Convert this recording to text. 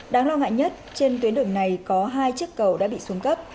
đáng lo ngại nhất trên tuyến đường này có hai chiếc cầu đã bị xuống cấp